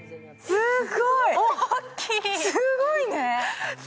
すごいね。